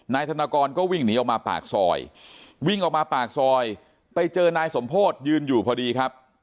นายธนากรก็วิ่งหนีออกมาปากซอยวิ่งออกมาปากซอยไปเจอนายสมโพธิยืนอยู่พอดีครับ